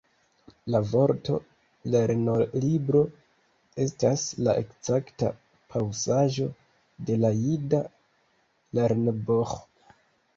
La vorto lernolibro estas la ekzakta paŭsaĵo de la jida lernbuĥ.